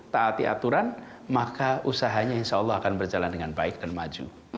taati aturan maka usahanya insya allah akan berjalan dengan baik dan maju